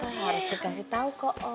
harus dikasih tau ke om